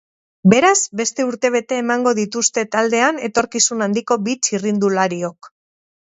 Beraz, beste urtebete emango dituzte taldean etorkizun handiko bi txirrindulariok.